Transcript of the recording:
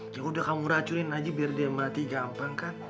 cukup udah kamu racunin aja biar dia mati gampang kan